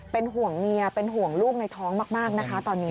เป็นห่วงเมียเป็นห่วงลูกในท้องมากนะคะตอนนี้